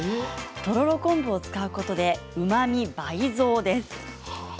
とろろ昆布を使うことでうまみ倍増です。